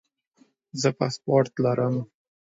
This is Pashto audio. زه پاسپورټ لرم